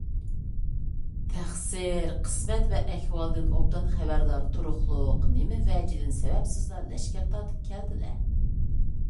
تەقسىر، قىسمەت ۋە ئەھۋالدىن ئوبدان خەۋەردار تۇرۇقلۇق، نېمە ۋەجىدىن سەۋەبسىزلا لەشكەر تارتىپ كەلدىلە؟